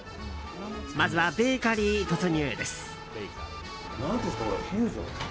まずはベーカリー突入です。